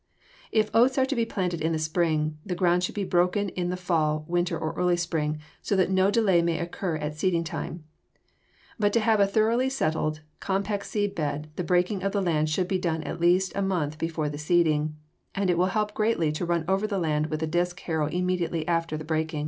If oats are to be planted in the spring, the ground should be broken in the fall, winter, or early spring so that no delay may occur at seeding time. But to have a thoroughly settled, compact seed bed the breaking of the land should be done at least a month before the seeding, and it will help greatly to run over the land with a disk harrow immediately after the breaking.